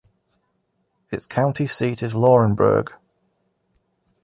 Its county seat is Laurinburg.